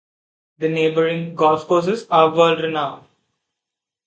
The neighbouring golf courses are world-renowned.